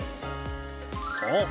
そう。